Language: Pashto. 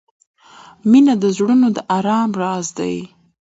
• مینه د زړونو د آرام راز دی.